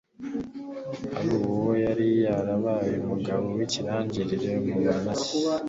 aruba uwo yari yarabaye umugabo w'ikirangirire mu banaki